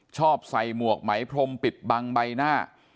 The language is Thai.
ชอบใส่หมวกไหมพรมปิดบังใบหน้า